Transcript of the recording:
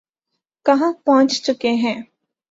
کہاں پہنچ چکے ہیں۔